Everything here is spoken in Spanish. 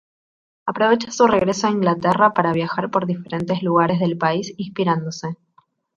Aprovecha su regreso a Inglaterra para viajar por diferentes lugares del país inspirándose.